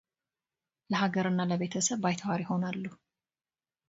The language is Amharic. ለሀገርና ለቤተሰብ ባይተዋር ይሆናሉ።